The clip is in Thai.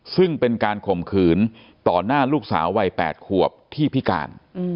ซึ่งเป็นการข่มขืนต่อหน้าลูกสาววัย๘ขวบที่พิการ